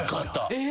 えっ！？